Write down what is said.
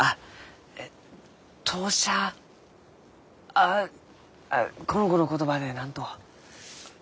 ああこの子の言葉で何と？